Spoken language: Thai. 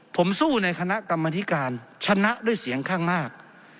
ผมสู้ในคณะกรรมธิการชนะด้วยเสียงข้างมาก